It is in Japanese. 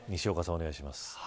お願いします。